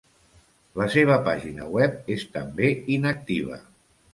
La seva pàgina web és també inactiva.